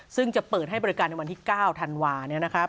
ซึ่งจะเปิดให้บริการในวันที่๙ธันวา